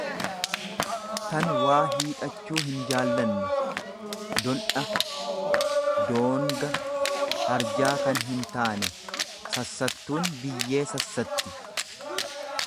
tan waa hiixachuu hinjaallanne, dondha, doonga, harjaa kan hintaane; Sassattuun biyyee sassatti.